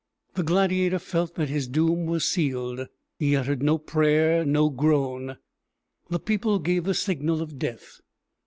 The gladiator felt that his doom was sealed; he uttered no prayer no groan. The people gave the signal of death!